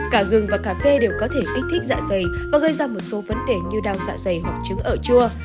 cả gừng và cà phê đều có thể kích thích dạ dày và gây ra một số vấn đề như đau dạ dày hoặc trứng ở chua